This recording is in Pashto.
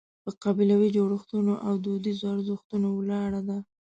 په قبیلوي جوړښتونو او دودیزو ارزښتونو ولاړه ده.